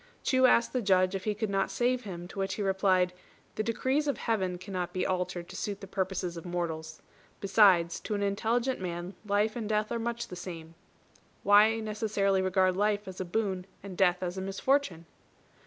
Chu asked the Judge if he could not save him; to which he replied, "The decrees of Heaven cannot be altered to suit the purposes of mortals. Besides, to an intelligent man life and death are much the same. Why necessarily regard life as a boon and death as a misfortune?"